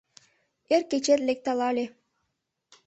Эр кечет лекталале